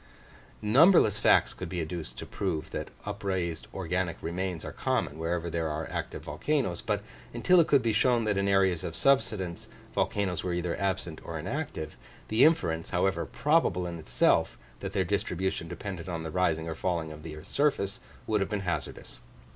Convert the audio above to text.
Numberless facts could be adduced to prove that upraised organic remains are common wherever there are active volcanos; but until it could be shown that in areas of subsidence, volcanos were either absent or inactive, the inference, however probable in itself, that their distribution depended on the rising or falling of the earth's surface, would have been hazardous.